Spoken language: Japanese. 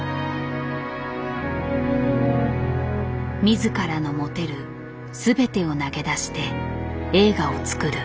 自らの持てる全てを投げ出して映画を作る。